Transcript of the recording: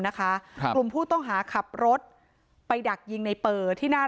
นะครับกลุ่มผู้ต้องหาขับรถไปดักยิงในเปอร์ที่หน้า